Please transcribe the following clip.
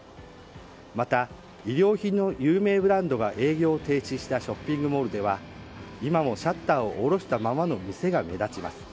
また、衣料品の有名ブランドが営業を停止したショッピングモールでは今もシャッターを下ろしたままの店が目立ちます。